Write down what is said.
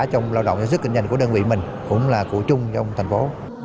trong lao động sức kinh doanh của đơn vị mình cũng là của chung trong thành phố